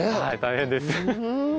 はい大変です。